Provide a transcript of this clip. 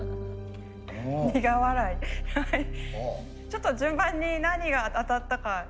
ちょっと順番に何が当たったか。